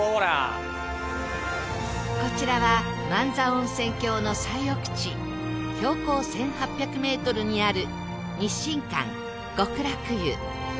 こちらは万座温泉郷の最奥地標高１８００メートルにある日進舘極楽湯